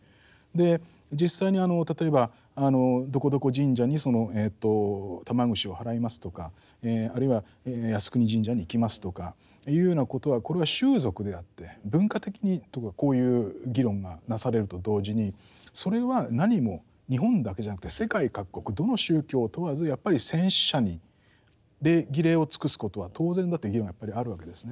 実際に例えばどこどこ神社に玉串を払いますとかあるいは靖国神社に行きますとかいうようなことはこれは習俗であって文化的にとかこういう議論がなされると同時にそれはなにも日本だけじゃなくて世界各国どの宗教を問わずやっぱり戦死者に礼儀礼を尽くすことは当然だという議論がやっぱりあるわけですね。